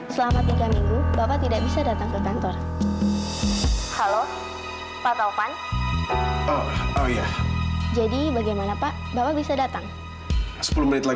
sampai jumpa di video selanjutnya